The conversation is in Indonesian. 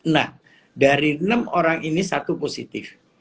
nah dari enam orang ini satu positif